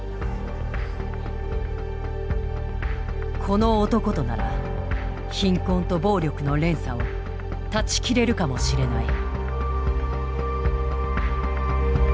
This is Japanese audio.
この男となら貧困と暴力の連鎖を断ち切れるかもしれない。